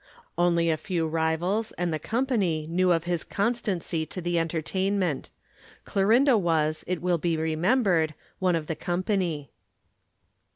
Only a few rivals and the company knew of his constancy to the entertainment. Clorinda was, it will be remembered, one of the company.